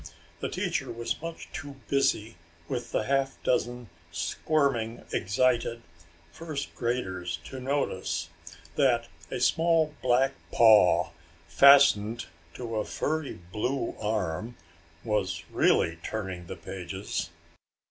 The teacher was much too busy with the half dozen squirming, excited first graders to notice that a small black paw fastened to a furry blue arm was really turning the pages.